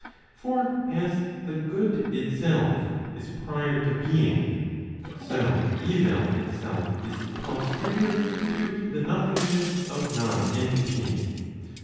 For as the good itself is prior to being, so evil itself is posterior to the nothingness of non entity.